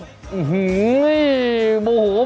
จัดกระบวนพร้อมกัน